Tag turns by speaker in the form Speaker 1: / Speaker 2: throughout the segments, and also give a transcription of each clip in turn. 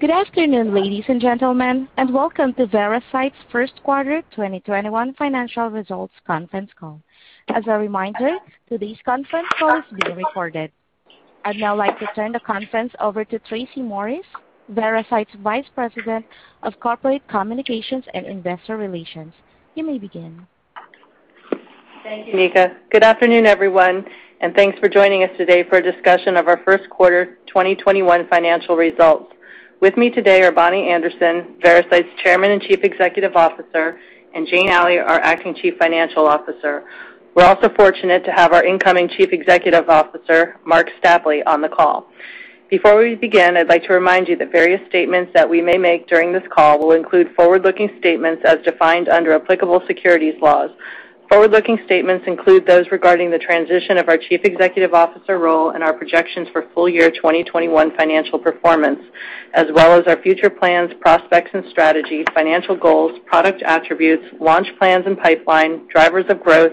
Speaker 1: Good afternoon, ladies and gentlemen, and welcome to Veracyte's first quarter 2021 financial results conference call. As a reminder, today's conference call is being recorded. I'd now like to turn the conference over to Tracy Morris, Veracyte's Vice President of Corporate Communications and Investor Relations. You may begin.
Speaker 2: Thank you, Mika. Good afternoon, everyone, and thanks for joining us today for a discussion of our first quarter 2021 financial results. With me today are Bonnie Anderson, Veracyte's Chairman and Chief Executive Officer, and Jane Alley, our Acting Chief Financial Officer. We're also fortunate to have our incoming Chief Executive Officer, Marc Stapley, on the call. Before we begin, I'd like to remind you that various statements that we may make during this call will include forward-looking statements as defined under applicable securities laws. Forward-looking statements include those regarding the transition of our chief executive officer role and our projections for full year 2021 financial performance, as well as our future plans, prospects and strategies, financial goals, product attributes, launch plans and pipeline, drivers of growth,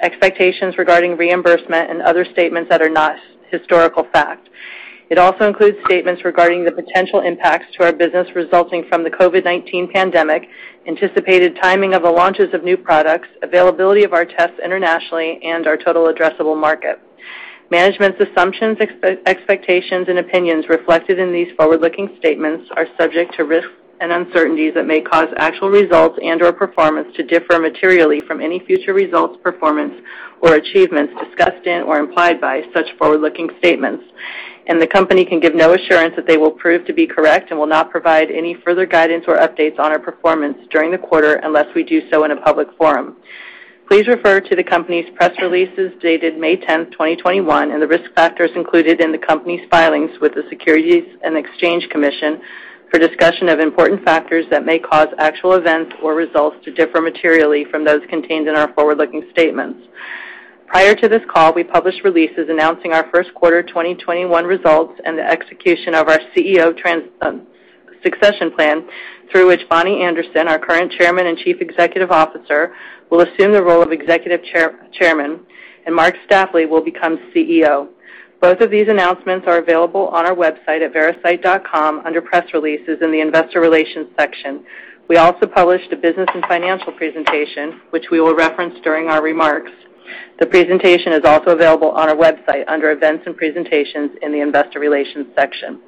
Speaker 2: expectations regarding reimbursement, and other statements that are not historical fact. It also includes statements regarding the potential impacts to our business resulting from the COVID-19 pandemic, anticipated timing of the launches of new products, availability of our tests internationally, and our total addressable market. Management's assumptions, expectations, and opinions reflected in these forward-looking statements are subject to risks and uncertainties that may cause actual results and/or performance to differ materially from any future results, performance or achievements discussed in or implied by such forward-looking statements. The company can give no assurance that they will prove to be correct and will not provide any further guidance or updates on our performance during the quarter unless we do so in a public forum. Please refer to the company's press releases dated May 10, 2021, and the risk factors included in the company's filings with the Securities and Exchange Commission for discussion of important factors that may cause actual events or results to differ materially from those contained in our forward-looking statements. Prior to this call, we published releases announcing our first quarter 2021 results and the execution of our CEO succession plan, through which Bonnie Anderson, our current Chairman and Chief Executive Officer, will assume the role of Executive Chairman, Marc Stapley will become CEO. Both of these announcements are available on our website at veracyte.com under Press Releases in the Investor Relations section. We also published a business and financial presentation, which we will reference during our remarks. The presentation is also available on our website under Events and Presentations in the Investor Relations section.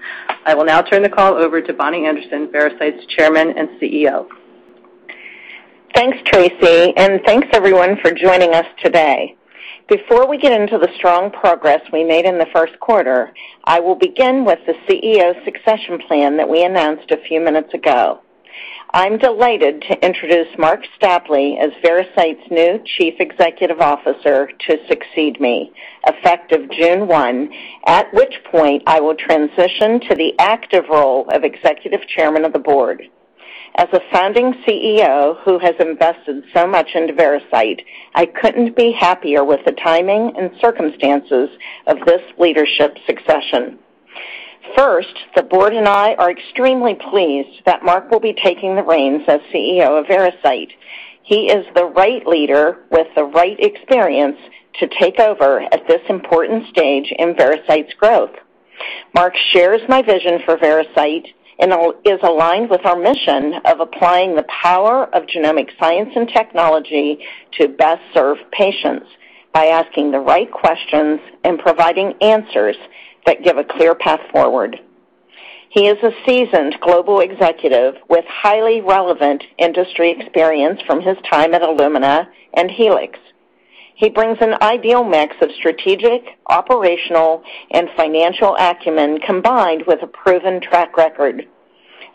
Speaker 2: I will now turn the call over to Bonnie Anderson, Veracyte's Chairman and CEO.
Speaker 3: Thanks, Tracy, and thanks everyone for joining us today. Before we get into the strong progress we made in the first quarter, I will begin with the CEO succession plan that we announced a few minutes ago. I'm delighted to introduce Marc Stapley as Veracyte's new Chief Executive Officer to succeed me effective June 1, at which point I will transition to the active role of Executive Chairman of the Board. As a founding CEO who has invested so much into Veracyte, I couldn't be happier with the timing and circumstances of this leadership succession. The board and I are extremely pleased that Marc will be taking the reins as CEO of Veracyte. He is the right leader with the right experience to take over at this important stage in Veracyte's growth. Marc shares my vision for Veracyte and is aligned with our mission of applying the power of genomic science and technology to best serve patients by asking the right questions and providing answers that give a clear path forward. He is a seasoned global executive with highly relevant industry experience from his time at Illumina and Helix. He brings an ideal mix of strategic, operational, and financial acumen, combined with a proven track record.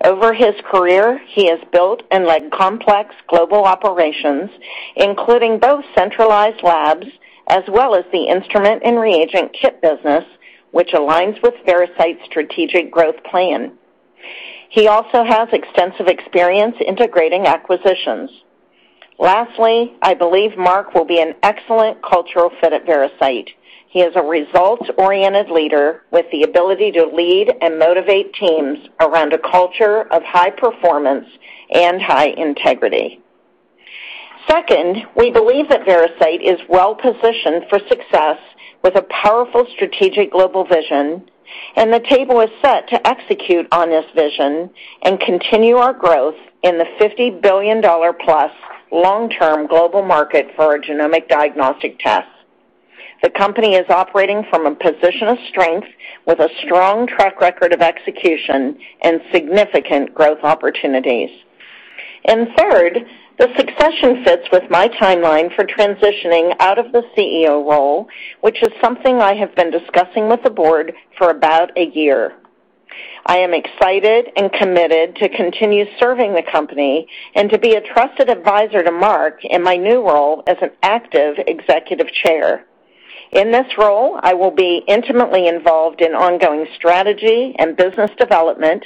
Speaker 3: Over his career, he has built and led complex global operations, including both centralized labs as well as the instrument and reagent kit business, which aligns with Veracyte's strategic growth plan. He also has extensive experience integrating acquisitions. Lastly, I believe Marc will be an excellent cultural fit at Veracyte. He is a results-oriented leader with the ability to lead and motivate teams around a culture of high performance and high integrity. Second, we believe that Veracyte is well-positioned for success with a powerful strategic global vision. The table is set to execute on this vision and continue our growth in the $50 billion-plus long-term global market for our genomic diagnostic tests. The company is operating from a position of strength with a strong track record of execution and significant growth opportunities. Third, the succession fits with my timeline for transitioning out of the CEO role, which is something I have been discussing with the board for about a year. I am excited and committed to continue serving the company and to be a trusted advisor to Marc in my new role as an active Executive Chair. In this role, I will be intimately involved in ongoing strategy and business development.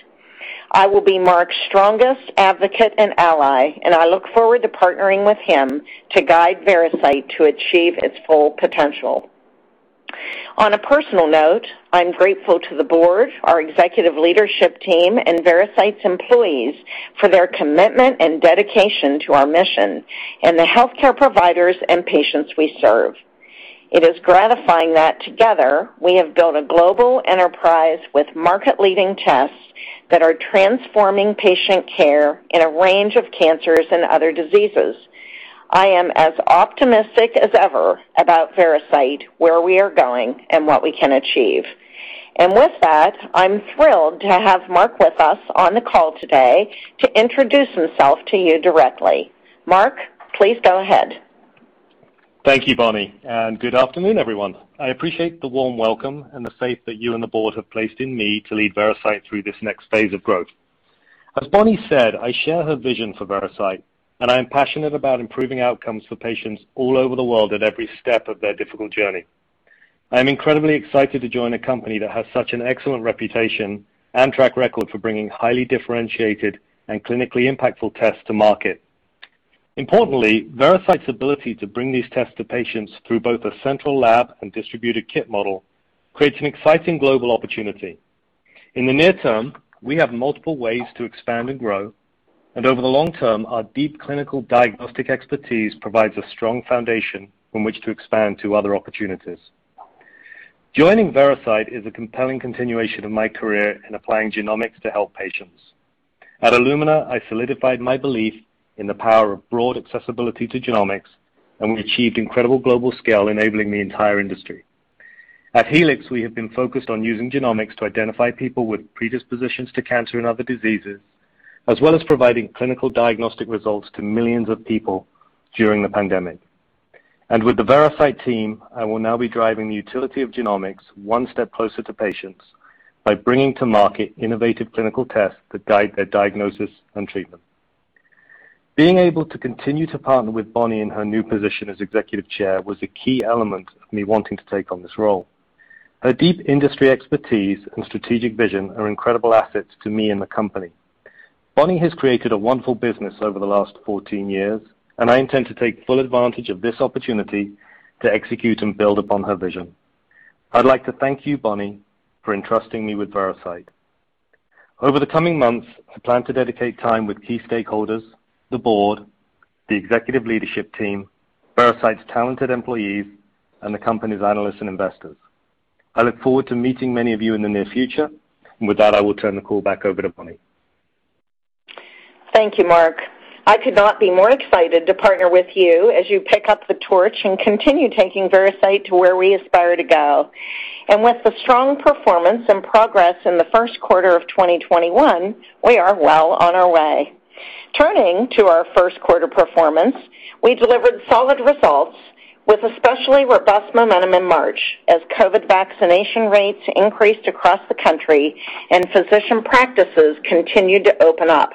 Speaker 3: I will be Marc's strongest advocate and ally, and I look forward to partnering with him to guide Veracyte to achieve its full potential. On a personal note, I'm grateful to the board, our executive leadership team, and Veracyte's employees for their commitment and dedication to our mission and the healthcare providers and patients we serve. It is gratifying that together we have built a global enterprise with market-leading tests that are transforming patient care in a range of cancers and other diseases. I am as optimistic as ever about Veracyte, where we are going, and what we can achieve. With that, I'm thrilled to have Marc with us on the call today to introduce himself to you directly. Marc, please go ahead.
Speaker 4: Thank you, Bonnie, and good afternoon, everyone. I appreciate the warm welcome and the faith that you and the board have placed in me to lead Veracyte through this next phase of growth. As Bonnie said, I share her vision for Veracyte, and I am passionate about improving outcomes for patients all over the world at every step of their difficult journey. I'm incredibly excited to join a company that has such an excellent reputation and track record for bringing highly differentiated and clinically impactful tests to market. Importantly, Veracyte's ability to bring these tests to patients through both a central lab and distributed kit model creates an exciting global opportunity. In the near term, we have multiple ways to expand and grow, and over the long term, our deep clinical diagnostic expertise provides a strong foundation from which to expand to other opportunities. Joining Veracyte is a compelling continuation of my career in applying genomics to help patients. At Illumina, I solidified my belief in the power of broad accessibility to genomics, and we achieved incredible global scale, enabling the entire industry. At Helix, we have been focused on using genomics to identify people with predispositions to cancer and other diseases, as well as providing clinical diagnostic results to millions of people during the pandemic. With the Veracyte team, I will now be driving the utility of genomics one step closer to patients by bringing to market innovative clinical tests that guide their diagnosis and treatment. Being able to continue to partner with Bonnie in her new position as Executive Chair was a key element of me wanting to take on this role. Her deep industry expertise and strategic vision are incredible assets to me and the company. Bonnie has created a wonderful business over the last 14 years, and I intend to take full advantage of this opportunity to execute and build upon her vision. I'd like to thank you, Bonnie, for entrusting me with Veracyte. Over the coming months, I plan to dedicate time with key stakeholders, the board, the executive leadership team, Veracyte's talented employees, and the company's analysts and investors. I look forward to meeting many of you in the near future. With that, I will turn the call back over to Bonnie.
Speaker 3: Thank you, Marc. I could not be more excited to partner with you as you pick up the torch and continue taking Veracyte to where we aspire to go. With the strong performance and progress in the first quarter of 2021, we are well on our way. Turning to our first quarter performance, we delivered solid results with especially robust momentum in March as COVID-19 vaccination rates increased across the country and physician practices continued to open up.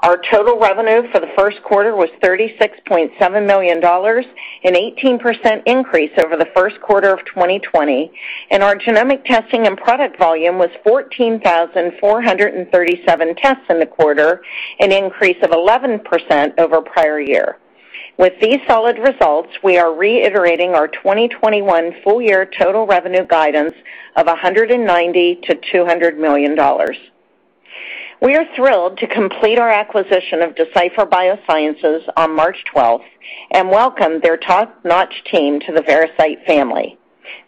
Speaker 3: Our total revenue for the first quarter was $36.7 million, an 18% increase over the first quarter of 2020, and our genomic testing and product volume was 14,437 tests in the quarter, an increase of 11% over prior year. With these solid results, we are reiterating our 2021 full year total revenue guidance of $190 million-$200 million. We are thrilled to complete our acquisition of Decipher Biosciences on March 12th and welcome their top-notch team to the Veracyte family.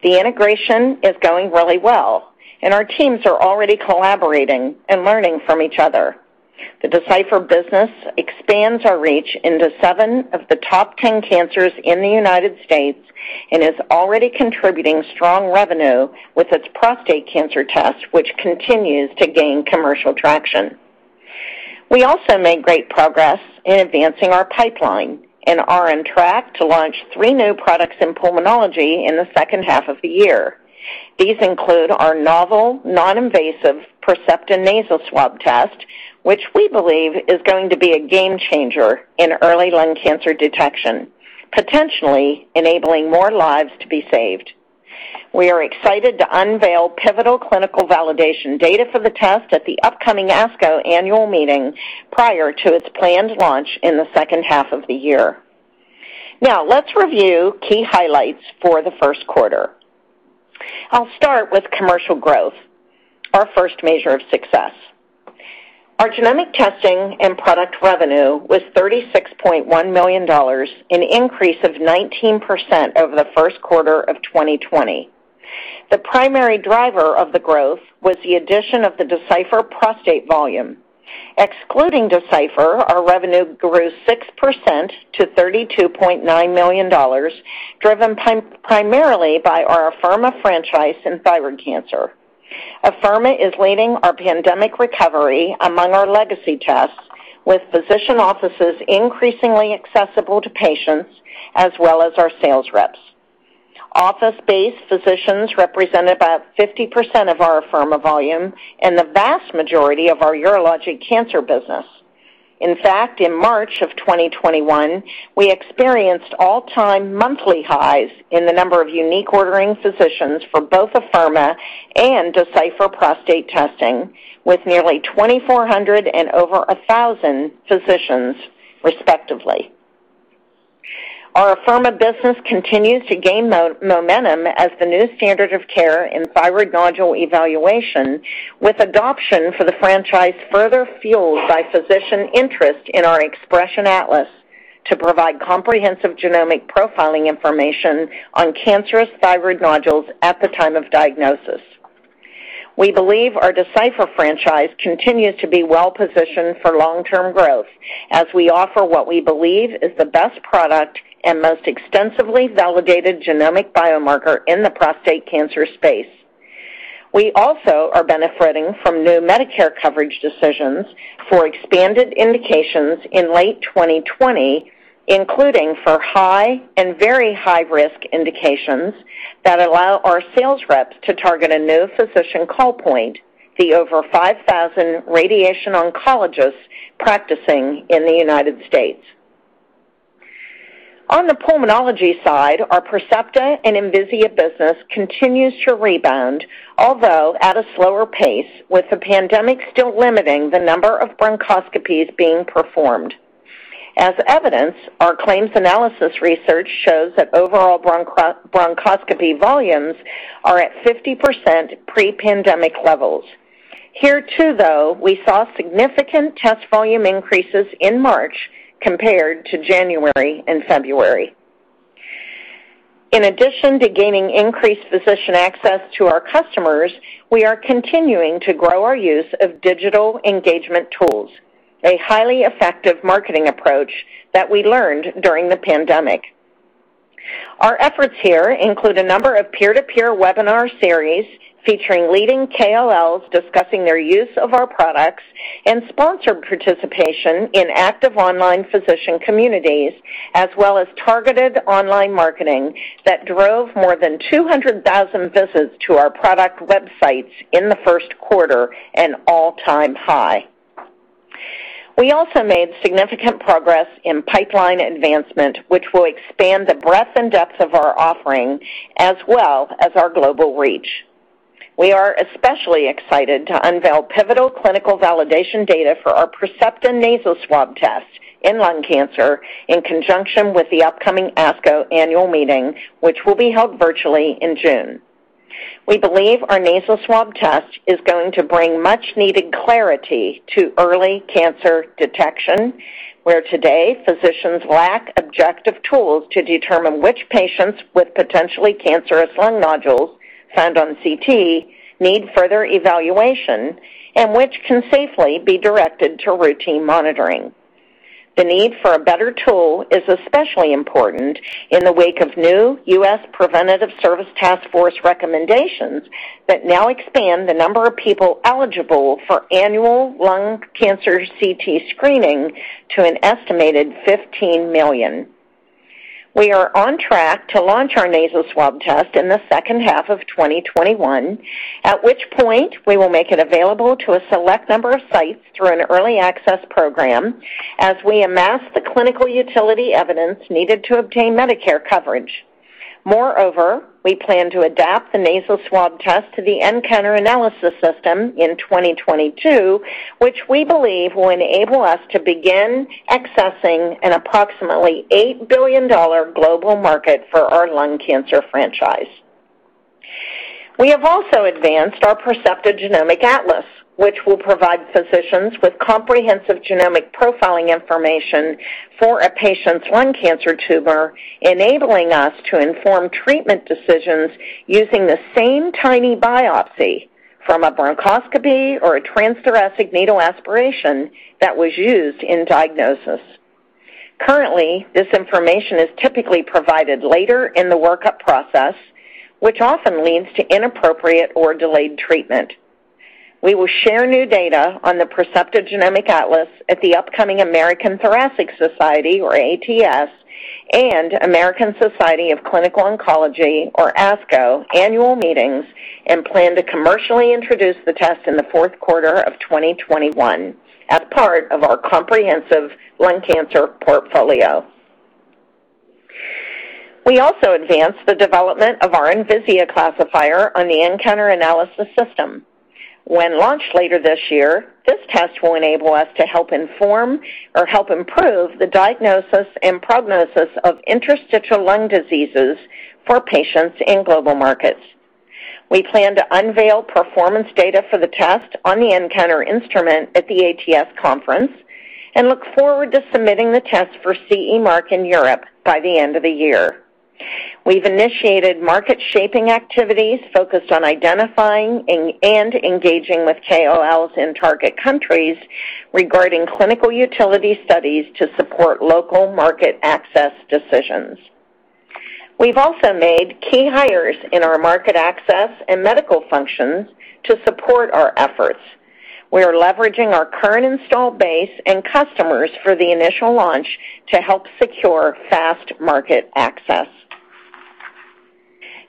Speaker 3: The integration is going really well, and our teams are already collaborating and learning from each other. The Decipher business expands our reach into seven of the top 10 cancers in the United States and is already contributing strong revenue with its prostate cancer test, which continues to gain commercial traction. We also made great progress in advancing our pipeline and are on track to launch three new products in pulmonology in the second half of the year. These include our novel non-invasive Percepta nasal swab test, which we believe is going to be a game changer in early lung cancer detection, potentially enabling more lives to be saved. We are excited to unveil pivotal clinical validation data for the test at the upcoming ASCO annual meeting prior to its planned launch in the second half of the year. Now, let's review key highlights for the first quarter. I'll start with commercial growth, our first measure of success. Our genomic testing and product revenue was $36.1 million, an increase of 19% over the first quarter of 2020. The primary driver of the growth was the addition of the Decipher prostate volume. Excluding Decipher, our revenue grew 6% to $32.9 million, driven primarily by our Afirma franchise in thyroid cancer. Afirma is leading our pandemic recovery among our legacy tests, with physician offices increasingly accessible to patients as well as our sales reps. Office-based physicians represent about 50% of our Afirma volume and the vast majority of our urologic cancer business. In fact, in March of 2021, we experienced all-time monthly highs in the number of unique ordering physicians for both Afirma and Decipher prostate testing with nearly 2,400 and over 1,000 physicians, respectively. Our Afirma business continues to gain momentum as the new standard of care in thyroid nodule evaluation, with adoption for the franchise further fueled by physician interest in our Xpression Atlas to provide comprehensive genomic profiling information on cancerous thyroid nodules at the time of diagnosis. We believe our Decipher franchise continues to be well-positioned for long-term growth as we offer what we believe is the best product and most extensively validated genomic biomarker in the prostate cancer space. We also are benefiting from new Medicare coverage decisions for expanded indications in late 2020, including for high and very high-risk indications that allow our sales reps to target a new physician call point, the over 5,000 radiation oncologists practicing in the U.S. On the pulmonology side, our Percepta and Envisia business continues to rebound, although at a slower pace, with the pandemic still limiting the number of bronchoscopies being performed. As evidence, our claims analysis research shows that overall bronchoscopy volumes are at 50% pre-pandemic levels. Here too, though, we saw significant test volume increases in March compared to January and February. In addition to gaining increased physician access to our customers, we are continuing to grow our use of digital engagement tools, a highly effective marketing approach that we learned during the pandemic. Our efforts here include a number of peer-to-peer webinar series featuring leading KOLs discussing their use of our products and sponsored participation in active online physician communities, as well as targeted online marketing that drove more than 200,000 visits to our product websites in the first quarter, an all-time high. We also made significant progress in pipeline advancement, which will expand the breadth and depth of our offering as well as our global reach. We are especially excited to unveil pivotal clinical validation data for our Percepta nasal swab test in lung cancer in conjunction with the upcoming ASCO annual meeting, which will be held virtually in June. We believe our nasal swab test is going to bring much-needed clarity to early cancer detection, where today, physicians lack objective tools to determine which patients with potentially cancerous lung nodules found on CT need further evaluation and which can safely be directed to routine monitoring. The need for a better tool is especially important in the wake of new U.S. Preventive Services Task Force recommendations that now expand the number of people eligible for annual lung cancer CT screening to an estimated 15 million. We are on track to launch our nasal swab test in the second half of 2021, at which point we will make it available to a select number of sites through an early access program as we amass the clinical utility evidence needed to obtain Medicare coverage. Moreover, we plan to adapt the nasal swab test to the nCounter Analysis System in 2022, which we believe will enable us to begin accessing an approximately $8 billion global market for our lung cancer franchise. We have also advanced our Percepta Genomic Atlas, which will provide physicians with comprehensive genomic profiling information for a patient's lung cancer tumor, enabling us to inform treatment decisions using the same tiny biopsy from a bronchoscopy or a transthoracic needle aspiration that was used in diagnosis. Currently, this information is typically provided later in the workup process, which often leads to inappropriate or delayed treatment. We will share new data on the Percepta Genomic Atlas at the upcoming American Thoracic Society, or ATS, and American Society of Clinical Oncology, or ASCO, annual meetings and plan to commercially introduce the test in the fourth quarter of 2021 as part of our comprehensive lung cancer portfolio. We also advanced the development of our Envisia classifier on the nCounter Analysis System. When launched later this year, this test will enable us to help inform or help improve the diagnosis and prognosis of interstitial lung diseases for patients in global markets. We plan to unveil performance data for the test on the nCounter instrument at the ATS conference and look forward to submitting the test for CE mark in Europe by the end of the year. We've initiated market shaping activities focused on identifying and engaging with KOLs in target countries regarding clinical utility studies to support local market access decisions. We've also made key hires in our market access and medical functions to support our efforts. We are leveraging our current install base and customers for the initial launch to help secure fast market access.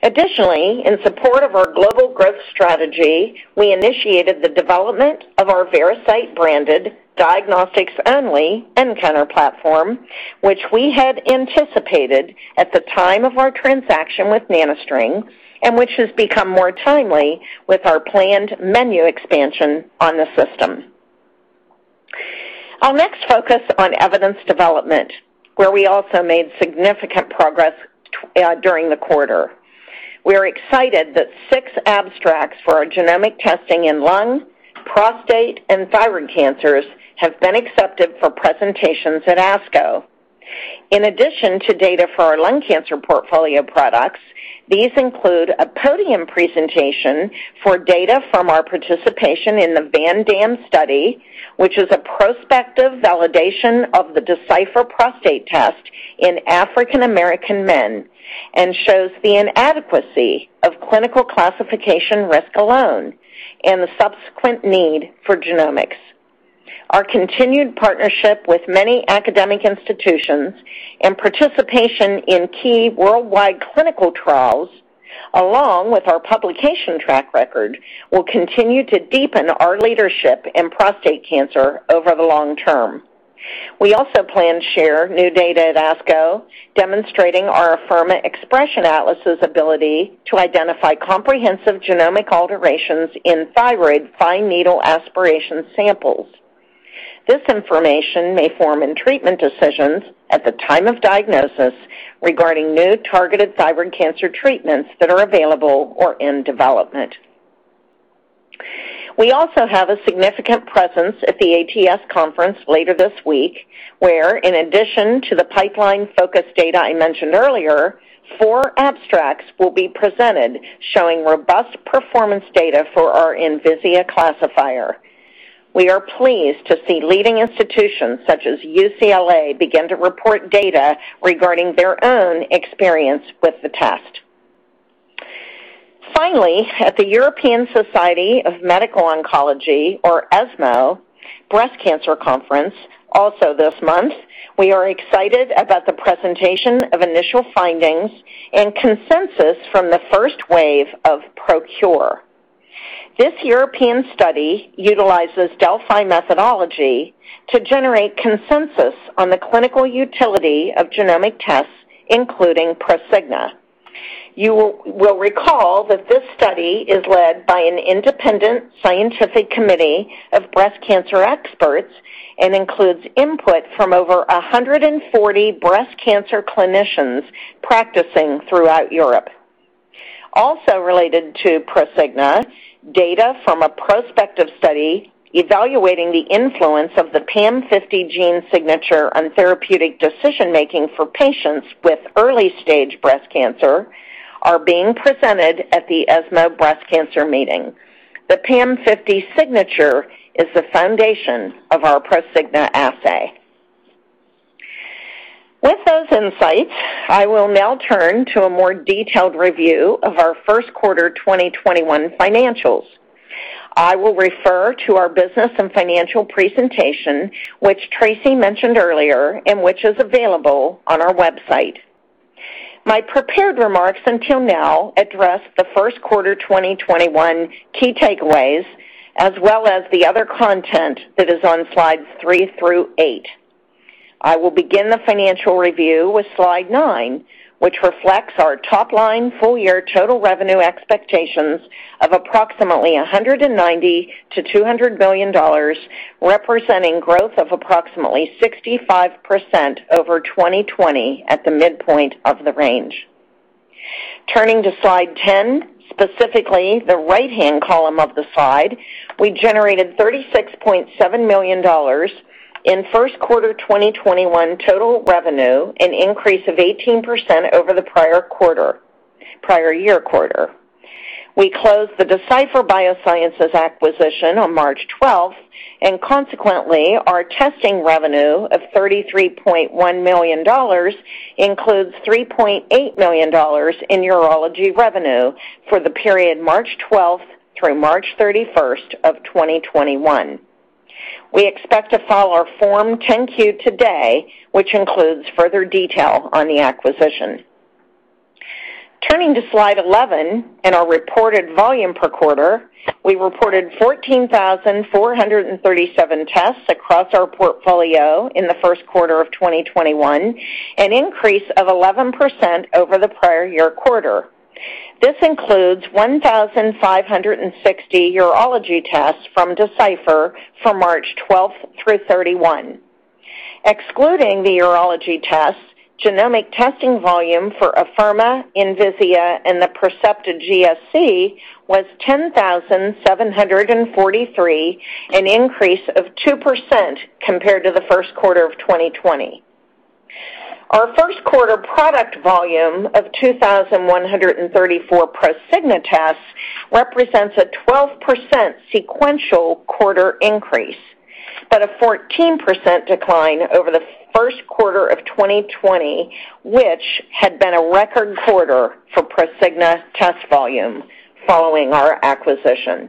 Speaker 3: In support of our global growth strategy, we initiated the development of our Veracyte-branded diagnostics-only nCounter platform, which we had anticipated at the time of our transaction with NanoString and which has become more timely with our planned menu expansion on the system. I'll next focus on evidence development, where we also made significant progress during the quarter. We are excited that six abstracts for our genomic testing in lung, prostate, and thyroid cancers have been accepted for presentations at ASCO. In addition to data for our lung cancer portfolio products, these include a podium presentation for data from our participation in the VANDAMM study, which is a prospective validation of the Decipher prostate test in African American men, and shows the inadequacy of clinical classification risk alone and the subsequent need for genomics. Our continued partnership with many academic institutions and participation in key worldwide clinical trials, along with our publication track record, will continue to deepen our leadership in prostate cancer over the long term. We also plan to share new data at ASCO demonstrating our Afirma Xpression Atlas's ability to identify comprehensive genomic alterations in thyroid fine needle aspiration samples. This information may inform treatment decisions at the time of diagnosis regarding new targeted thyroid cancer treatments that are available or in development. We also have a significant presence at the ATS conference later this week, where in addition to the pipeline-focused data I mentioned earlier, four abstracts will be presented showing robust performance data for our Envisia classifier. We are pleased to see leading institutions such as UCLA begin to report data regarding their own experience with the test. Finally, at the European Society of Medical Oncology, or ESMO, breast cancer conference, also this month, we are excited about the presentation of initial findings and consensus from the first wave of PROCure. This European study utilizes Delphi methodology to generate consensus on the clinical utility of genomic tests, including Prosigna. You will recall that this study is led by an independent scientific committee of breast cancer experts and includes input from over 140 breast cancer clinicians practicing throughout Europe. Also related to Prosigna, data from a prospective study evaluating the influence of the PAM50 gene signature on therapeutic decision-making for patients with early-stage breast cancer are being presented at the ESMO Breast Cancer Meeting. The PAM50 signature is the foundation of our Prosigna assay. With those insights, I will now turn to a more detailed review of our first quarter 2021 financials. I will refer to our business and financial presentation, which Tracy mentioned earlier, and which is available on our website. My prepared remarks until now address the first quarter 2021 key takeaways, as well as the other content that is on slides three through eight. I will begin the financial review with slide nine, which reflects our top-line full-year total revenue expectations of approximately $190 million to $200 million, representing growth of approximately 65% over 2020 at the midpoint of the range. Turning to slide 10, specifically the right-hand column of the slide, we generated $36.7 million in first quarter 2021 total revenue, an increase of 18% over the prior year quarter. We closed the Decipher Biosciences acquisition on March 12th, and consequently, our testing revenue of $33.1 million includes $3.8 million in urology revenue for the period March 12th through March 31st of 2021. We expect to file our Form 10-Q today, which includes further detail on the acquisition. Turning to slide 11 and our reported volume per quarter, we reported 14,437 tests across our portfolio in the first quarter of 2021, an increase of 11% over the prior year quarter. This includes 1,560 urology tests from Decipher from March 12-31. Excluding the urology tests, genomic testing volume for Afirma, Envisia, and the Percepta GSC was 10,743, an increase of 2% compared to the first quarter of 2020. Our first quarter product volume of 2,134 Prosigna tests represents a 12% sequential quarter increase, but a 14% decline over the first quarter of 2020, which had been a record quarter for Prosigna test volume following our acquisition.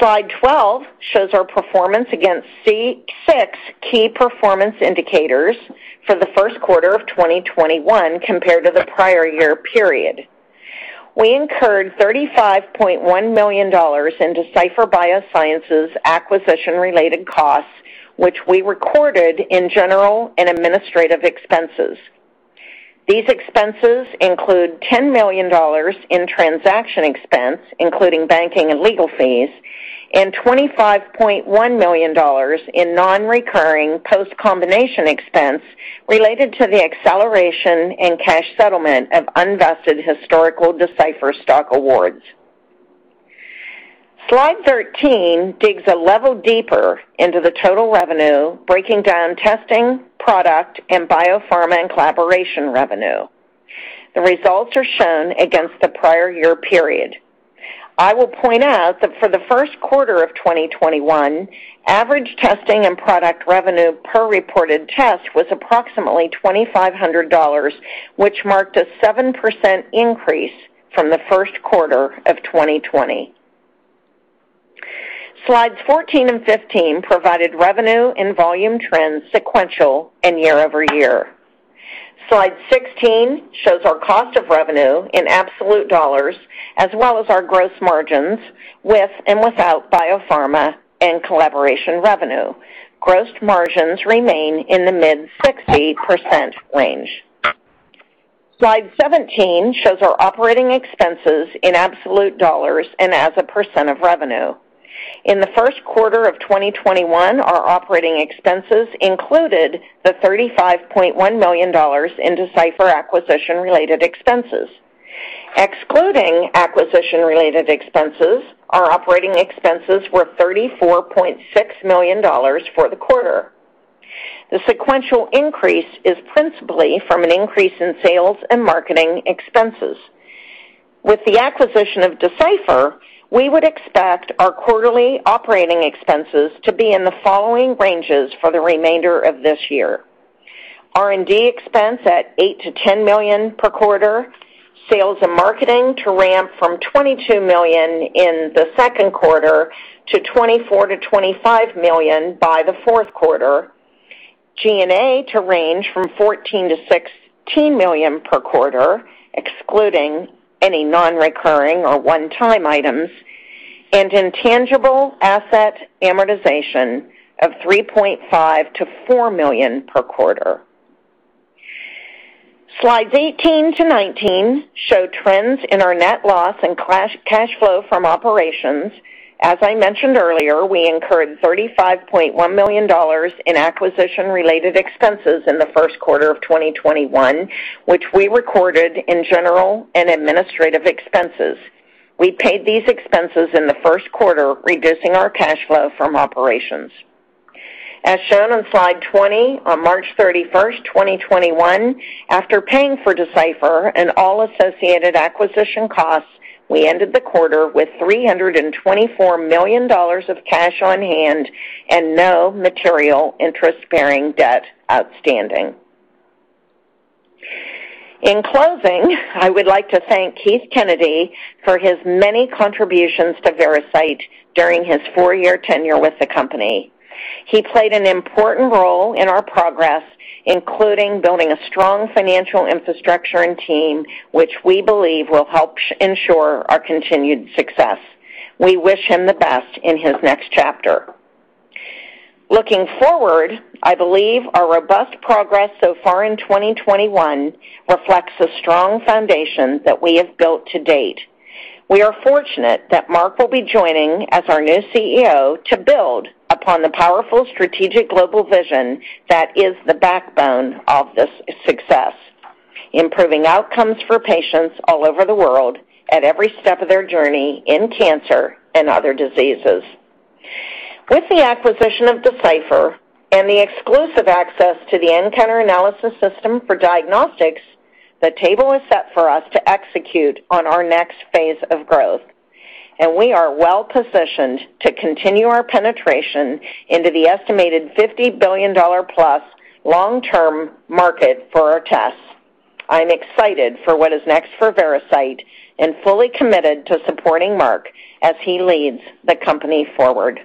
Speaker 3: Slide 12 shows our performance against six key performance indicators for the first quarter of 2021 compared to the prior year period. We incurred $35.1 million in Decipher Biosciences acquisition-related costs, which we recorded in general and administrative expenses. These expenses include $10 million in transaction expense, including banking and legal fees, and $25.1 million in non-recurring post-combination expense related to the acceleration in cash settlement of unvested historical Decipher stock awards. Slide 13 digs a level deeper into the total revenue, breaking down testing, product, and biopharma and collaboration revenue. The results are shown against the prior year period. I will point out that for the first quarter of 2021, average testing and product revenue per reported test was approximately $2,500, which marked a 7% increase from the first quarter of 2020. Slides 14 and 15 provided revenue and volume trends sequential and year-over-year. Slide 16 shows our cost of revenue in absolute dollars as well as our gross margins with and without biopharma and collaboration revenue. Gross margins remain in the mid-60% range. Slide 17 shows our operating expenses in absolute dollars and as a percent of revenue. In the first quarter of 2021, our operating expenses included the $35.1 million in Decipher acquisition-related expenses. Excluding acquisition-related expenses, our operating expenses were $34.6 million for the quarter. The sequential increase is principally from an increase in sales and marketing expenses. With the acquisition of Decipher, we would expect our quarterly operating expenses to be in the following ranges for the remainder of this year: R&D expense at $8 million-$10 million per quarter, sales and marketing to ramp from $22 million in the second quarter to $24 million-$25 million by the fourth quarter, G&A to range from $14 million-$16 million per quarter, excluding any non-recurring or one-time items, and intangible asset amortization of $3.5 million-$4 million per quarter. Slides 18 to 19 show trends in our net loss and cash flow from operations. As I mentioned earlier, we incurred $35.1 million in acquisition-related expenses in the first quarter of 2021, which we recorded in general and administrative expenses. We paid these expenses in the first quarter, reducing our cash flow from operations. As shown on Slide 20, on March 31st, 2021, after paying for Decipher and all associated acquisition costs, we ended the quarter with $324 million of cash on hand and no material interest-bearing debt outstanding. In closing, I would like to thank Keith Kennedy for his many contributions to Veracyte during his four-year tenure with the company. He played an important role in our progress, including building a strong financial infrastructure and team, which we believe will help ensure our continued success. We wish him the best in his next chapter. Looking forward, I believe our robust progress so far in 2021 reflects a strong foundation that we have built to date. We are fortunate that Marc will be joining as our new CEO to build upon the powerful strategic global vision that is the backbone of this success, improving outcomes for patients all over the world at every step of their journey in cancer and other diseases. With the acquisition of Decipher and the exclusive access to the nCounter analysis system for diagnostics, the table is set for us to execute on our next phase of growth, and we are well-positioned to continue our penetration into the estimated $50 billion-plus long-term market for our tests. I'm excited for what is next for Veracyte and fully committed to supporting Marc as he leads the company forward.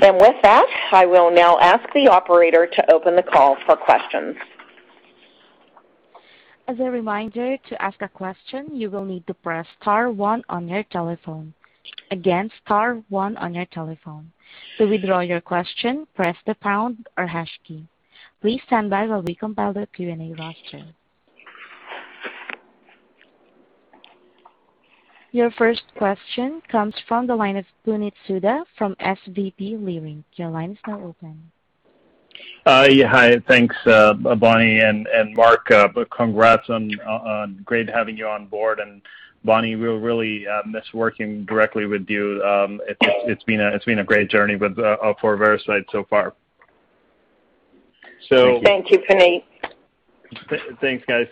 Speaker 3: With that, I will now ask the operator to open the call for questions.
Speaker 1: As a reminder, to ask a question, you will need to press star one on your telephone. Again, star one on your telephone. To withdraw your question, press the pound or hash key. Please stand by while we compile the Q&A roster. Your first question comes from the line of Puneet Souda from SVB Leerink. Your line is now open.
Speaker 5: Hi. Thanks, Bonnie and Marc. Congrats, great having you on board. Bonnie, we'll really miss working directly with you. It's been a great journey for Veracyte so far.
Speaker 3: Thank you, Puneet.
Speaker 5: Thanks, guys.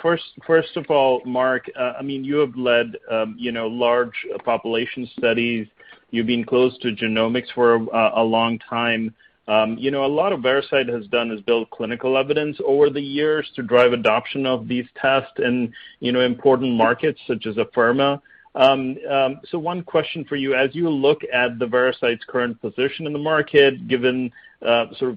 Speaker 5: First of all, Marc, you have led large population studies. You've been close to genomics for a long time. A lot of Veracyte has done is build clinical evidence over the years to drive adoption of these tests in important markets such as Afirma. One question for you, as you look at Veracyte's current position in the market, given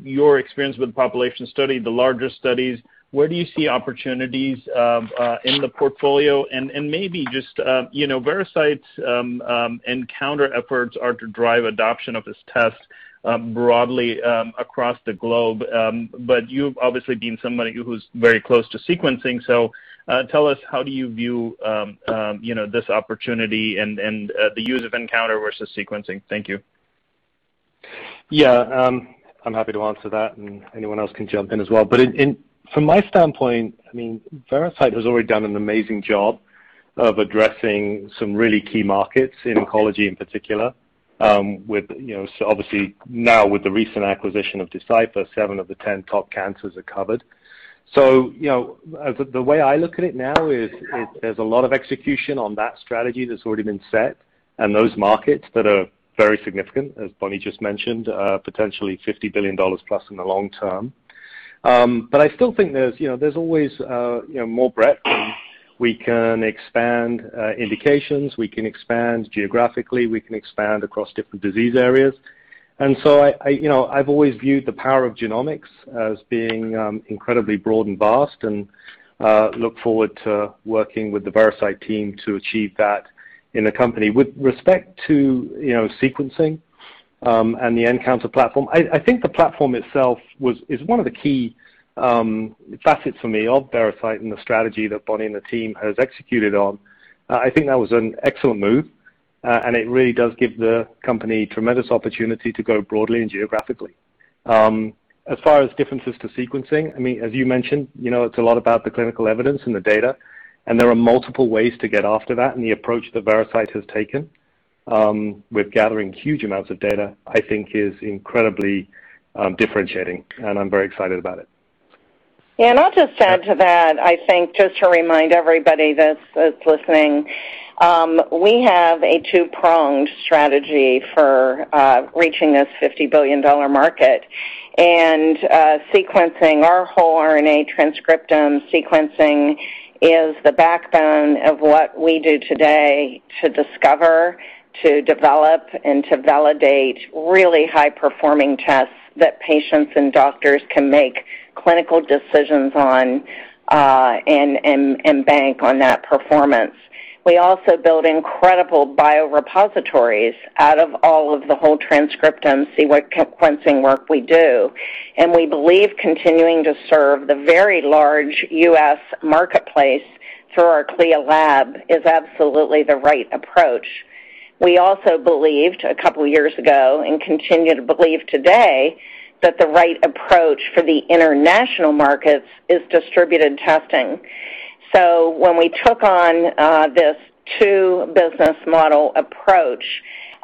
Speaker 5: your experience with population study, the larger studies, where do you see opportunities in the portfolio? Maybe just Veracyte's nCounter efforts are to drive adoption of this test broadly across the globe. You've obviously been somebody who's very close to sequencing. Tell us how do you view this opportunity and the use of nCounter versus sequencing. Thank you.
Speaker 4: Yeah, I'm happy to answer that, and anyone else can jump in as well. From my standpoint, Veracyte has already done an amazing job of addressing some really key markets in oncology, in particular. Obviously, now with the recent acquisition of Decipher, seven of the 10 top cancers are covered. The way I look at it now is there's a lot of execution on that strategy that's already been set, and those markets that are very significant, as Bonnie just mentioned, potentially $50 billion plus in the long term. I still think there's always more breadth. We can expand indications, we can expand geographically, we can expand across different disease areas. I've always viewed the power of genomics as being incredibly broad and vast and look forward to working with the Veracyte team to achieve that in the company. With respect to sequencing and the nCounter platform, I think the platform itself is one of the key facets for me of Veracyte and the strategy that Bonnie and the team has executed on. I think that was an excellent move, and it really does give the company tremendous opportunity to go broadly and geographically. As far as differences to sequencing, as you mentioned, it's a lot about the clinical evidence and the data, and there are multiple ways to get after that and the approach that Veracyte has taken with gathering huge amounts of data, I think, is incredibly differentiating, and I'm very excited about it.
Speaker 3: Yeah, and I'll just add to that, I think, just to remind everybody that's listening, we have a two-pronged strategy for reaching this $50 billion market. Sequencing our whole RNA transcriptome sequencing is the backbone of what we do today to discover, to develop, and to validate really high-performing tests that patients and doctors can make clinical decisions on and bank on that performance. We also build incredible biorepositories out of all of the whole transcriptome sequencing work we do. We believe continuing to serve the very large U.S. marketplace through our CLIA lab is absolutely the right approach. We also believed a couple of years ago, and continue to believe today, that the right approach for the international markets is distributed testing. When we took on this two-business model approach,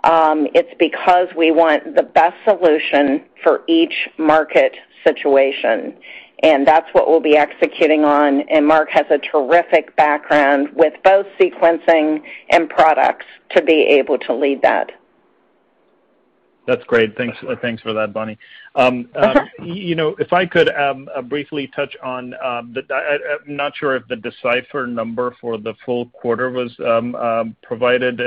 Speaker 3: it's because we want the best solution for each market situation, and that's what we'll be executing on. Marc has a terrific background with both sequencing and products to be able to lead that.
Speaker 5: That's great. Thanks for that, Bonnie.
Speaker 3: You're welcome.
Speaker 5: If I could briefly touch on, I'm not sure if the Decipher number for the full quarter was provided.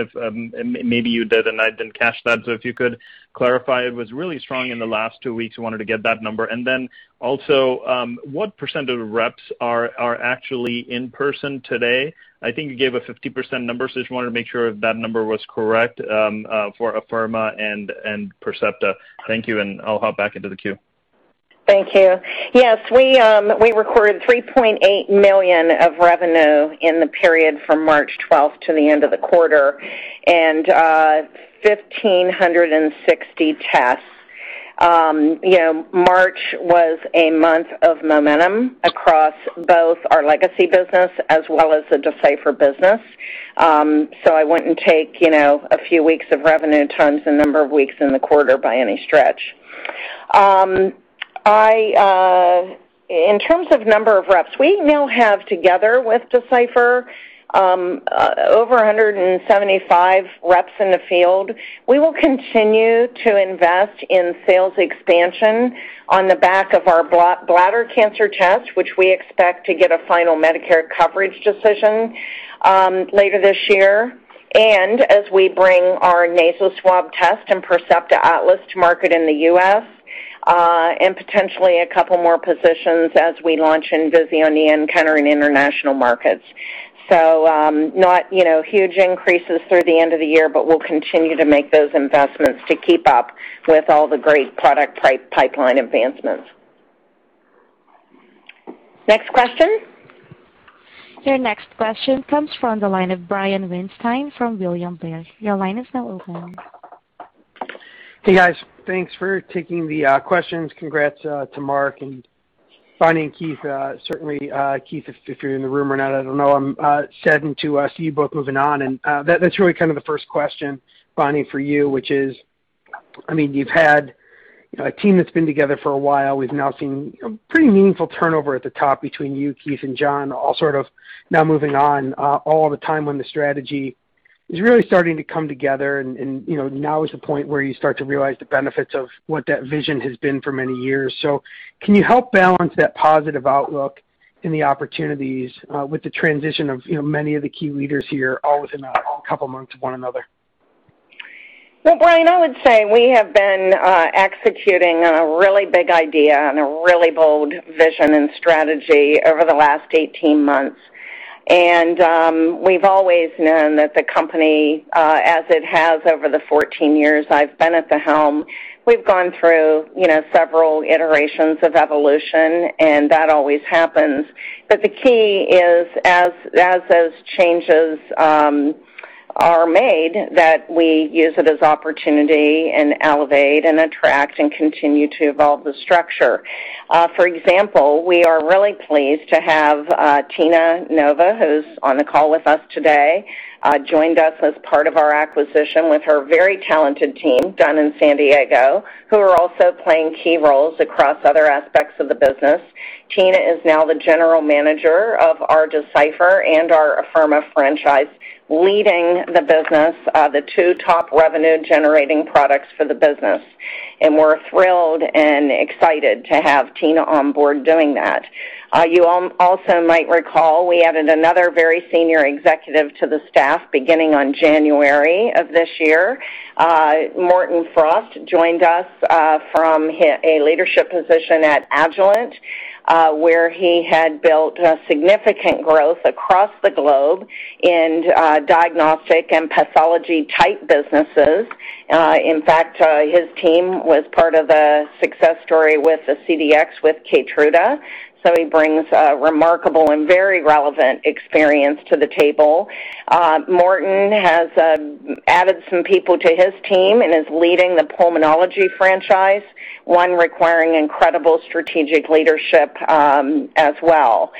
Speaker 5: Maybe you did, and I didn't catch that. If you could clarify. It was really strong in the last two weeks. I wanted to get that number. Also, what % of reps are actually in person today? I think you gave a 50% number. Just wanted to make sure if that number was correct for Afirma and Percepta. Thank you. I'll hop back into the queue.
Speaker 3: Thank you. Yes, we recorded $3.8 million of revenue in the period from March 12th to the end of the quarter and 1,560 tests. March was a month of momentum across both our legacy business as well as the Decipher business. I wouldn't take a few weeks of revenue times the number of weeks in the quarter by any stretch. In terms of number of reps, we now have, together with Decipher, over 175 reps in the field. We will continue to invest in sales expansion on the back of our bladder cancer test, which we expect to get a final Medicare coverage decision later this year, and as we bring our nasal swab test and Percepta Atlas to market in the U.S., and potentially a couple more positions as we launch Envisia on the nCounter in international markets. Not huge increases through the end of the year, but we'll continue to make those investments to keep up with all the great product pipeline advancements. Next question?
Speaker 1: Your next question comes from the line of Brian Weinstein from William Blair. Your line is now open.
Speaker 6: Hey, guys. Thanks for taking the questions. Congrats to Marc and Bonnie and Keith. Certainly, Keith, if you're in the room or not, I don't know. I'm saddened to see you both moving on. That's really kind of the first question, Bonnie, for you, which is, you've had a team that's been together for a while. We've now seen a pretty meaningful turnover at the top between you, Keith, and John all sort of now moving on all the time when the strategy is really starting to come together and now is the point where you start to realize the benefits of what that vision has been for many years. Can you help balance that positive outlook and the opportunities with the transition of many of the key leaders here all within a couple of months of one another?
Speaker 3: Well, Brian, I would say we have been executing on a really big idea and a really bold vision and strategy over the last 18 months. We've always known that the company, as it has over the 14 years I've been at the helm, we've gone through several iterations of evolution. That always happens. The key is, as those changes are made, that we use it as opportunity and elevate and attract and continue to evolve the structure. For example, we are really pleased to have Tina Nova, who's on the call with us today, joined us as part of our acquisition with her very talented team down in San Diego, who are also playing key roles across other aspects of the business. Tina is now the general manager of our Decipher and our Afirma franchise, leading the business of the two top revenue-generating products for the business. We're thrilled and excited to have Tina Nova on board doing that. You also might recall we added another very senior executive to the staff beginning on January of this year. Morten Frost joined us from a leadership position at Agilent, where he had built significant growth across the globe in diagnostic and pathology-type businesses. In fact, his team was part of a success story with the CDx with KEYTRUDA, so he brings remarkable and very relevant experience to the table. Morten has added some people to his team and is leading the pulmonology franchise, one requiring incredible strategic leadership as well.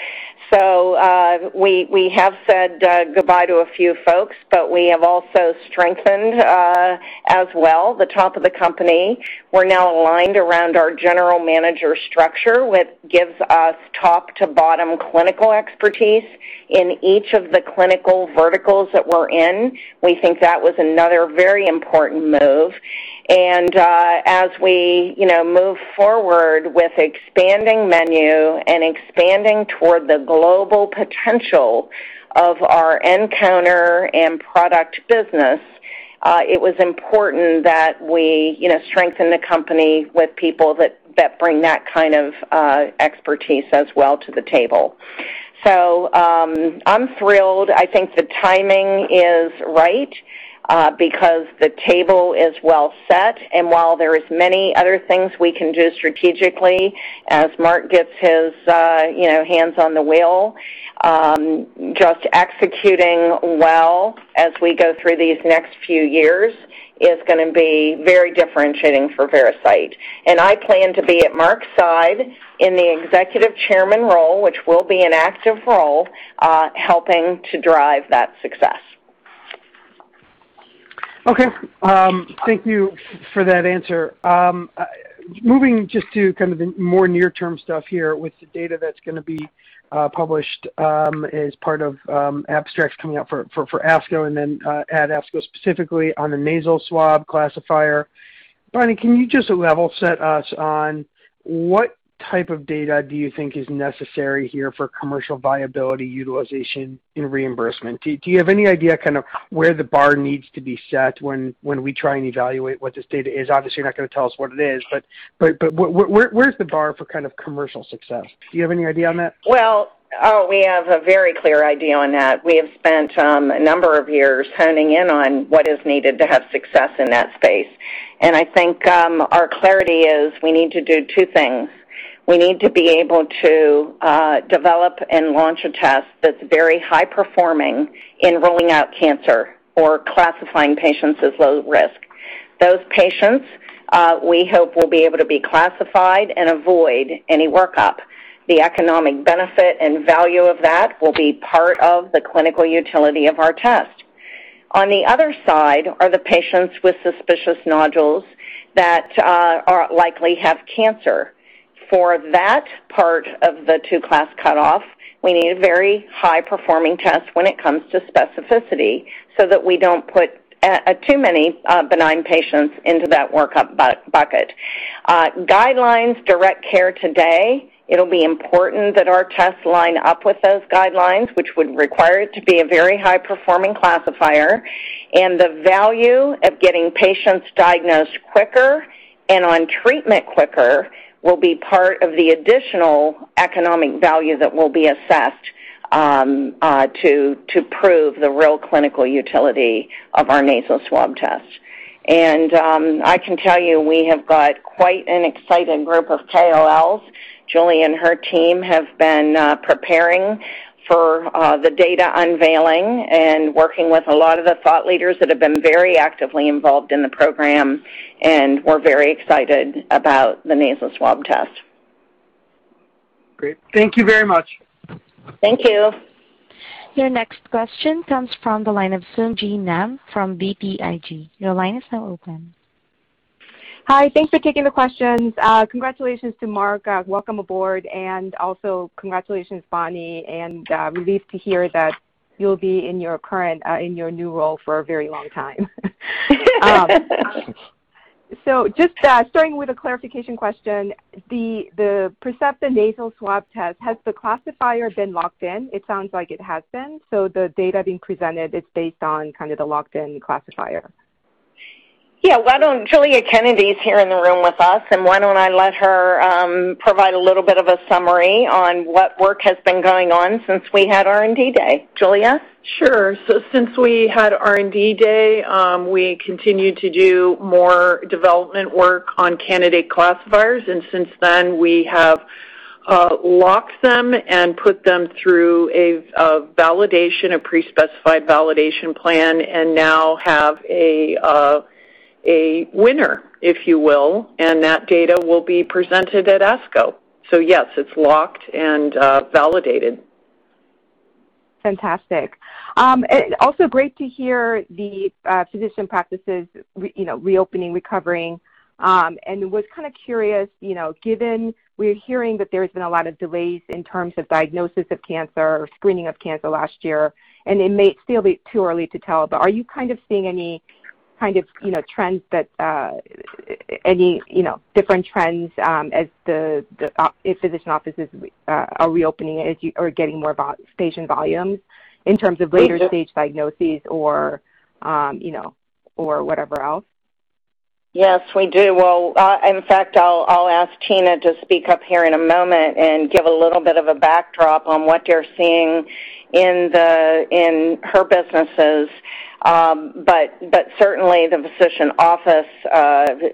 Speaker 3: We have said goodbye to a few folks, but we have also strengthened as well the top of the company. We're now aligned around our general manager structure, which gives us top-to-bottom clinical expertise in each of the clinical verticals that we're in. We think that was another very important move, and as we move forward with expanding menu and expanding toward the global potential of our nCounter and product business, it was important that we strengthen the company with people that bring that kind of expertise as well to the table. I'm thrilled. I think the timing is right, because the table is well set, and while there is many other things we can do strategically, as Marc gets his hands on the wheel, just executing well as we go through these next few years is going to be very differentiating for Veracyte. I plan to be at Marc's side in the executive chairman role, which will be an active role, helping to drive that success.
Speaker 6: Okay. Thank you for that answer. Moving just to kind of the more near-term stuff here with the data that's going to be published as part of abstracts coming out for ASCO and then at ASCO, specifically on the nasal swab classifier. Bonnie, can you just level set us on what type of data do you think is necessary here for commercial viability, utilization, and reimbursement? Do you have any idea kind of where the bar needs to be set when we try and evaluate what this data is? Obviously, you're not going to tell us what it is, but where's the bar for kind of commercial success? Do you have any idea on that?
Speaker 3: Well, we have a very clear idea on that. We have spent a number of years honing in on what is needed to have success in that space. I think our clarity is we need to do two things. We need to be able to develop and launch a test that's very high-performing in ruling out cancer or classifying patients as low risk. Those patients, we hope, will be able to be classified and avoid any workup. The economic benefit and value of that will be part of the clinical utility of our test. On the other side are the patients with suspicious nodules that likely have cancer. For that part of the two class cutoff, we need a very high-performing test when it comes to specificity so that we don't put too many benign patients into that workup bucket. Guidelines direct care today, it'll be important that our tests line up with those guidelines, which would require it to be a very high-performing classifier. The value of getting patients diagnosed quicker and on treatment quicker will be part of the additional economic value that will be assessed to prove the real clinical utility of our nasal swab test. I can tell you we have got quite an excited group of KOLs. Giulia and her team have been preparing for the data unveiling and working with a lot of the thought leaders that have been very actively involved in the program, and we're very excited about the nasal swab test.
Speaker 6: Great. Thank you very much.
Speaker 3: Thank you.
Speaker 1: Your next question comes from the line of Sung Ji Nam from BTIG. Your line is now open.
Speaker 7: Hi. Thanks for taking the questions. Congratulations to Marc. Welcome aboard, and also congratulations, Bonnie, and relieved to hear that you'll be in your new role for a very long time. Just starting with a clarification question, the Percepta nasal swab test, has the classifier been locked in? It sounds like it has been. The data being presented is based on kind of the locked-in classifier.
Speaker 3: Yeah. Giulia Kennedy's here in the room with us, and why don't I let her provide a little bit of a summary on what work has been going on since we had R&D Day. Giulia?
Speaker 8: Sure. Since we had R&D Day, we continued to do more development work on candidate classifiers, and since then we have locked them and put them through a validation, a pre-specified validation plan, and now have a winner, if you will. That data will be presented at ASCO. Yes, it's locked and validated.
Speaker 7: Fantastic. Also great to hear the physician practices reopening, recovering. Was kind of curious, given we're hearing that there's been a lot of delays in terms of diagnosis of cancer or screening of cancer last year, and it may still be too early to tell, but are you seeing any kind of trends, any different trends as physician offices are reopening, are getting more patient volumes in terms of later-?
Speaker 3: We do.
Speaker 7: stage diagnoses or whatever else?
Speaker 3: Yes, we do. Well, in fact, I'll ask Tina to speak up here in a moment and give a little bit of a backdrop on what they're seeing in her businesses. Certainly the physician office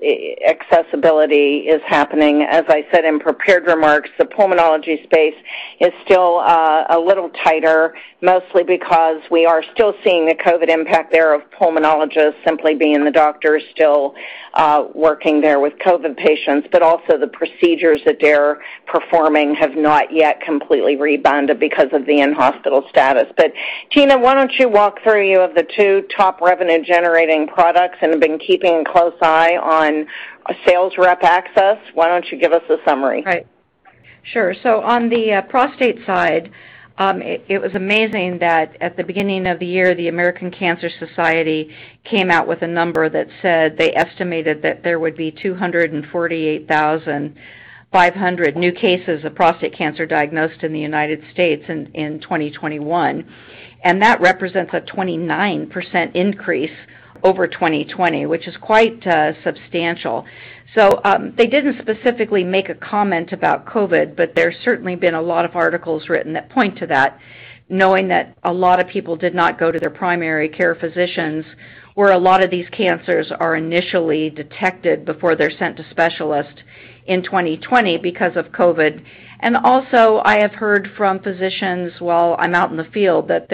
Speaker 3: accessibility is happening. As I said in prepared remarks, the pulmonology space is still a little tighter, mostly because we are still seeing the COVID impact there of pulmonologists simply being the doctors still working there with COVID patients, but also the procedures that they're performing have not yet completely rebounded because of the in-hospital status. Tina, why don't you walk through the two top revenue-generating products and have been keeping a close eye on sales rep access. Why don't you give us a summary?
Speaker 9: Right. Sure. On the prostate side, it was amazing that at the beginning of the year, the American Cancer Society came out with a number that said they estimated that there would be 248,500 new cases of prostate cancer diagnosed in the U.S. in 2021. That represents a 29% increase over 2020, which is quite substantial. They didn't specifically make a comment about COVID, but there's certainly been a lot of articles written that point to that, knowing that a lot of people did not go to their primary care physicians, where a lot of these cancers are initially detected before they're sent to specialists in 2020 because of COVID. Also, I have heard from physicians while I'm out in the field that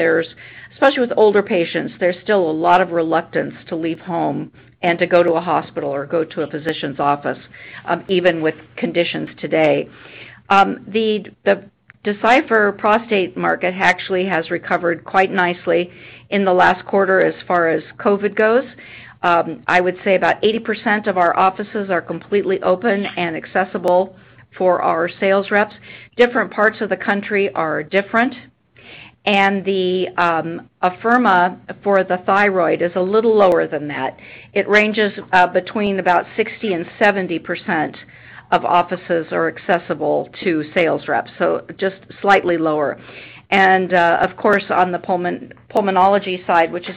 Speaker 9: especially with older patients, there's still a lot of reluctance to leave home and to go to a hospital or go to a physician's office, even with conditions today. The Decipher prostate market actually has recovered quite nicely in the last quarter as far as COVID goes. I would say about 80% of our offices are completely open and accessible for our sales reps. Different parts of the country are different, the Afirma for the thyroid is a little lower than that. It ranges between about 60% and 70% of offices are accessible to sales reps, so just slightly lower. Of course, on the pulmonology side, which is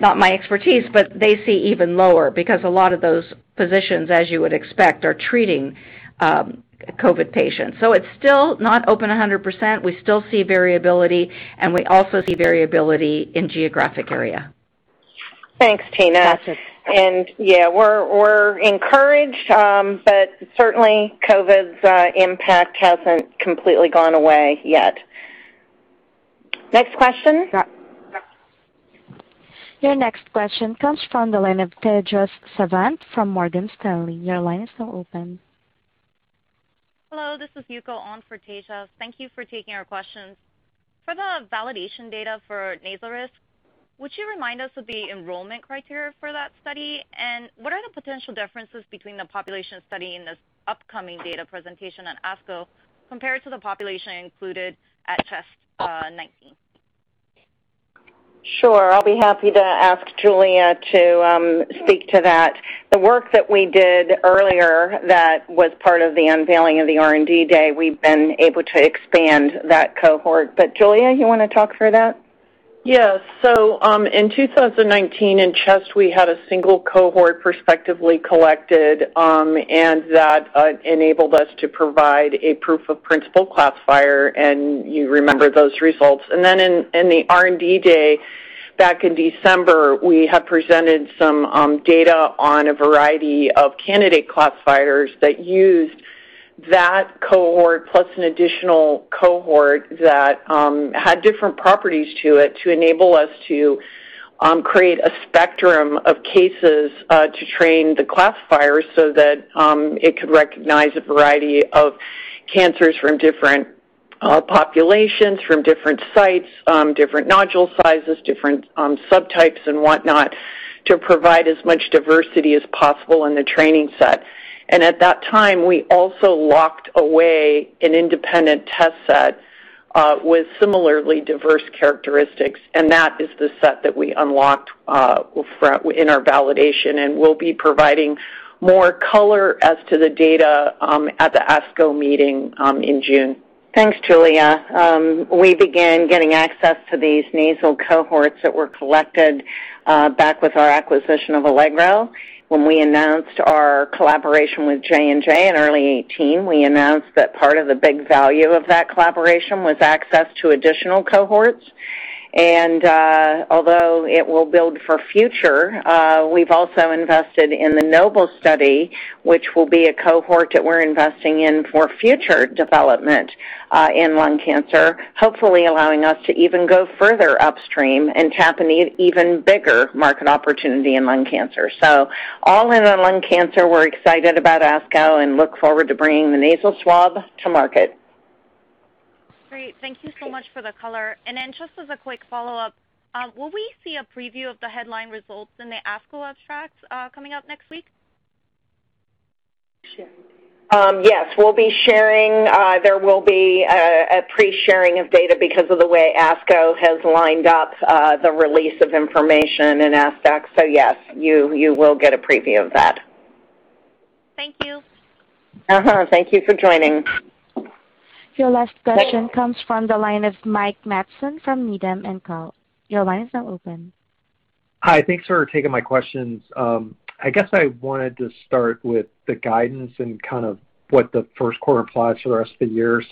Speaker 9: not my expertise, but they see even lower because a lot of those physicians, as you would expect, are treating COVID patients. It's still not open 100%. We still see variability, and we also see variability in geographic area.
Speaker 3: Thanks, Tina.
Speaker 9: Gotcha.
Speaker 3: Yeah, we're encouraged, but certainly COVID's impact hasn't completely gone away yet. Next question?
Speaker 7: Yeah.
Speaker 1: Your next question comes from the line of Tejas Savant from Morgan Stanley. Your line is now open.
Speaker 10: Hello, this is Yuko on for Tejas. Thank you for taking our questions. For the validation data for nasal risk, would you remind us of the enrollment criteria for that study? What are the potential differences between the population study in this upcoming data presentation at ASCO compared to the population included at CHEST 2019?
Speaker 3: Sure. I'll be happy to ask Giulia to speak to that. The work that we did earlier that was part of the unveiling of the R&D Day, we've been able to expand that cohort. Giulia, you want to talk through that?
Speaker 8: Yes. In 2019, in CHEST, we had a single cohort prospectively collected, and that enabled us to provide a proof of principle classifier, and you remember those results. In the R&D Day back in December, we have presented some data on a variety of candidate classifiers that used that cohort plus an additional cohort that had different properties to it to enable us to create a spectrum of cases, to train the classifier so that it could recognize a variety of cancers from different populations, from different sites, different nodule sizes, different subtypes and whatnot, to provide as much diversity as possible in the training set. At that time, we also locked away an independent test set with similarly diverse characteristics, and that is the set that we unlocked in our validation. We'll be providing more color as to the data at the ASCO meeting in June.
Speaker 3: Thanks, Giulia. We began getting access to these nasal cohorts that were collected back with our acquisition of Allegro. When we announced our collaboration with J&J in early 2018, we announced that part of the big value of that collaboration was access to additional cohorts. Although it will build for future, we've also invested in the NOBLE study, which will be a cohort that we're investing in for future development in lung cancer, hopefully allowing us to even go further upstream and tap an even bigger market opportunity in lung cancer. All in on lung cancer, we're excited about ASCO and look forward to bringing the nasal swab to market.
Speaker 10: Great. Thank you so much for the color. Just as a quick follow-up, will we see a preview of the headline results in the ASCO abstract coming out next week?
Speaker 3: Yes. There will be a pre-sharing of data because of the way ASCO has lined up the release of information in ASCO. Yes, you will get a preview of that.
Speaker 10: Thank you.
Speaker 3: Thank you for joining.
Speaker 1: Your last question comes from the line of Mike Matson from Needham & Company. Your line is now open.
Speaker 11: Hi. Thanks for taking my questions. I guess I wanted to start with the guidance and kind of what the first quarter applies for the rest of the year.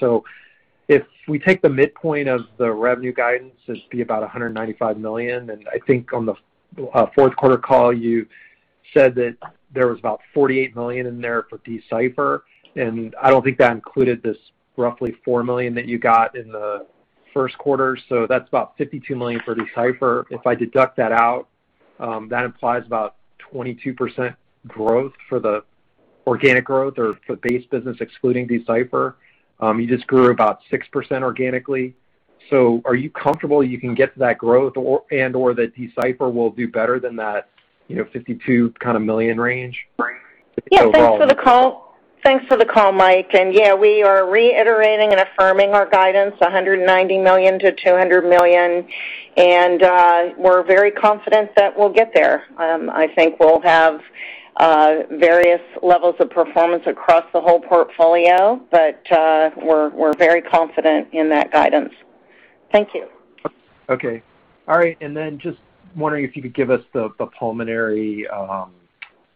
Speaker 11: If we take the midpoint of the revenue guidance, it'd be about $195 million. I think on the fourth quarter call, you said that there was about $48 million in there for Decipher, and I don't think that included this roughly $4 million that you got in the first quarter. That's about $52 million for Decipher. If I deduct that out, that implies about 22% growth for the organic growth or for base business excluding Decipher. You just grew about 6% organically. Are you comfortable you can get to that growth and/or that Decipher will do better than that $52 million range?
Speaker 3: Thanks for the call, Mike Matson. We are reiterating and affirming our guidance, $190 million-$200 million. We're very confident that we'll get there. I think we'll have various levels of performance across the whole portfolio, but we're very confident in that guidance. Thank you.
Speaker 11: Okay. All right. Just wondering if you could give us the pulmonary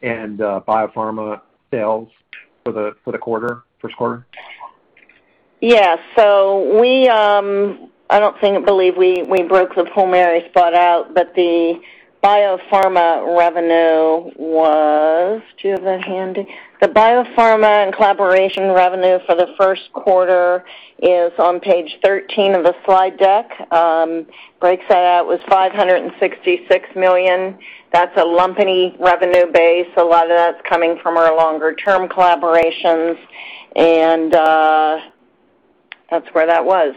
Speaker 11: and biopharma sales for the first quarter?
Speaker 3: Yeah. I don't believe we broke the pulmonary spot out, but the biopharma revenue was Do you have that handy? The biopharma and collaboration revenue for the first quarter is on page 13 of the slide deck. Break that out, was $566,000. That's a lumpy revenue base. A lot of that's coming from our longer-term collaborations, and that's where that was.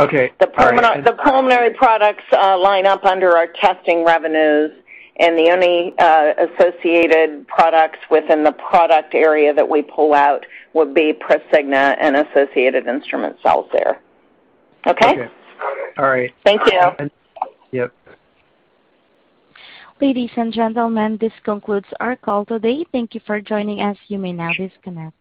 Speaker 11: Okay. All right.
Speaker 3: The pulmonary products line up under our testing revenues, and the only associated products within the product area that we pull out would be Prosigna and associated instrument sales there. Okay?
Speaker 11: Okay. All right.
Speaker 3: Thank you.
Speaker 11: Yep.
Speaker 1: Ladies and gentlemen, this concludes our call today. Thank you for joining us. You may now disconnect.